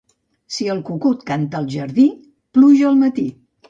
Si el cucut canta al jardí, pluja al matí.